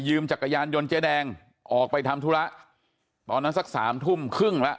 จักรยานยนต์เจ๊แดงออกไปทำธุระตอนนั้นสักสามทุ่มครึ่งแล้ว